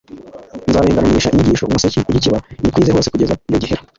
Nzabengeranisha inyigisho umuseke ugikeba, nyikwize hose kugeza iyo gihera.